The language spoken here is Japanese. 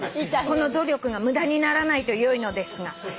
「この努力が無駄にならないとよいのですが」